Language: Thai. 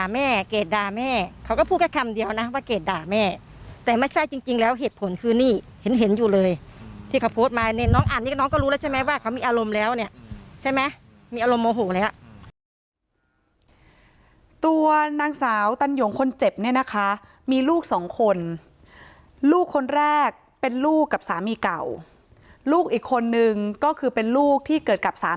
แม่เกดด่าแม่เขาก็พูดแค่คำเดียวนะว่าเกรดด่าแม่แต่ไม่ใช่จริงแล้วเหตุผลคือนี่เห็นเห็นอยู่เลยที่เขาโพสต์มาเนี่ยน้องอ่านนี่ก็น้องก็รู้แล้วใช่ไหมว่าเขามีอารมณ์แล้วเนี่ยใช่ไหมมีอารมณ์โมโหแล้วตัวนางสาวตันหยงคนเจ็บเนี่ยนะคะมีลูกสองคนลูกคนแรกเป็นลูกกับสามีเก่าลูกอีกคนนึงก็คือเป็นลูกที่เกิดกับสามี